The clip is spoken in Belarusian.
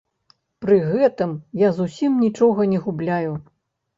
Пры гэтым я зусім нічога не губляю.